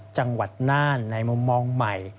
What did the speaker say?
จังหวัดน่านในมุมมองใหม่